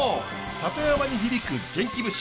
里山に響く元気節。